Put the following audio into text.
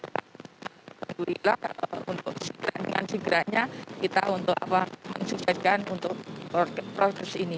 jadi kita perlulah untuk segera dengan segeranya kita untuk apa menyuapkan untuk proses ini